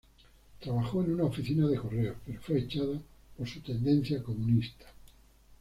Trabajó en una oficina de correos pero fue echada por su tendencia comunista.